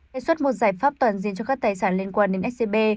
đề xuất một giải pháp toàn diện cho các tài sản liên quan đến scb